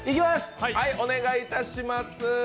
お願いいたします。